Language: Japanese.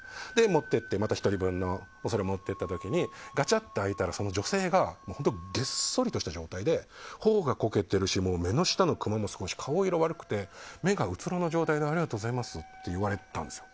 持って行って、１人分のお皿持って行った時にガチャっと開いたらその女性がげっそりとした状態で頬がこけてるし目の下のクマもすごいし顔色が悪くて目がうつろな状態でありがとうございますって言われたんです。